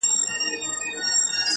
• دا غزل مي د خپل زړه په وینو سره سوه -